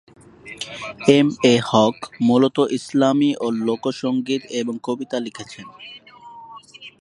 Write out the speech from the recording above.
M A Haque মূলত ইসলামি ও লোক সঙ্গীত এবং কবিতা লিখেছেন।